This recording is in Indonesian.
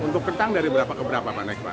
untuk kentang dari berapa ke berapa pak naikman